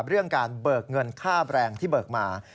เรื่องการเบิกเงินค่าแบรนด์ที่เบิกมา